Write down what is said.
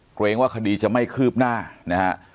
เกรงว่าคดีจะไม่คืบหน้านะฮะ